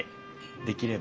できれば。